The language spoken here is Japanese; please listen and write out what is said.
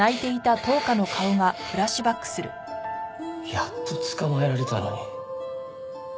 やっと捕まえられたのに。